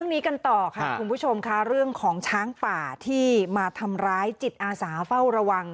นี้กันต่อค่ะคุณผู้ชมค่ะเรื่องของช้างป่าที่มาทำร้ายจิตอาสาเฝ้าระวัง